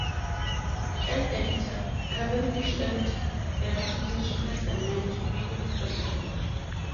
As editor, Cavendish earned a reputation as a man to be respected.